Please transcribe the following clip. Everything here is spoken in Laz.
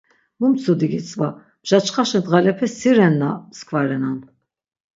Mu mtsudi gitzva, mjaçxaşi dğalepe si rena mskva renan.